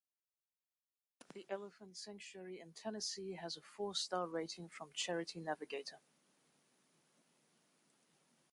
The Elephant Sanctuary in Tennessee has a four-star rating from Charity Navigator.